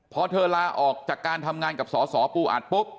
เพราะเธอลาออกจากการทำงานกับสอสอปู่อัด